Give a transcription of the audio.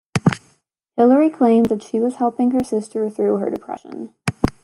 Hilary claims that she was helping her sister through her depression.